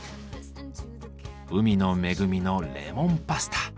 海の恵みのレモンパスタ。